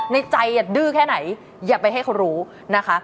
ในใจดื้อแค่ไหนอย่าไปให้เขารู้นะคะ